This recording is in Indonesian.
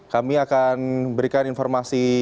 kami akan berikan informasi